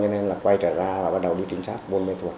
cho nên là quay trở ra và bắt đầu đi trinh sát bôn mê thuột